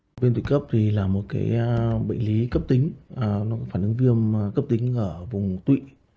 bệnh viên tụy cấp là một bệnh lý cấp tính phản ứng viêm cấp tính ở vùng tụy